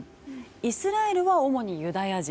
イスラエルは主にユダヤ人。